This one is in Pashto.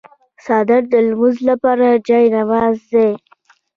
څادر د لمانځه لپاره جای نماز دی.